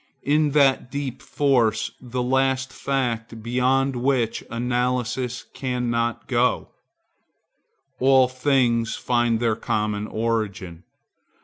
In that deep force, the last fact behind which analysis cannot go, all things find their common origin.